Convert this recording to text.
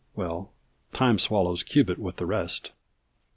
Well, Time swallows Cubit with the rest.